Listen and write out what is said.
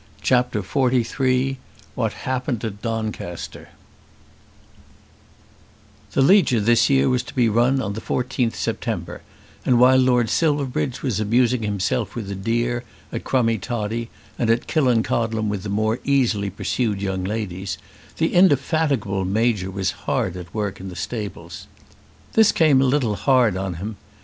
CHAPTER XLIII What Happened at Doncaster The Leger this year was to be run on the 14th September, and while Lord Silverbridge was amusing himself with the deer at Crummie Toddie and at Killancodlem with the more easily pursued young ladies, the indefatigable Major was hard at work in the stables. This came a little hard on him.